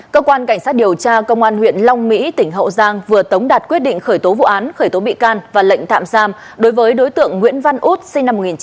cơ quan cảnh sát điều tra công an huyện long mỹ tỉnh hậu giang vừa tống đạt quyết định khởi tố vụ án khởi tố bị can và lệnh tạm giam đối với đối tượng nguyễn văn út sinh năm một nghìn chín trăm tám mươi